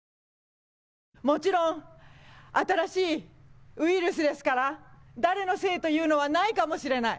もちろん新しいウイルスですから誰のせいというのはないかもしれない。